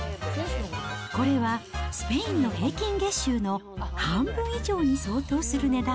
これは、スペインの平均月収の半分以上に相当する値段。